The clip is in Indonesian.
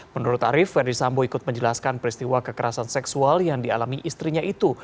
menurut arief ferdisambo ikut menjelaskan peristiwa kekerasan seksual yang dialami istrinya itu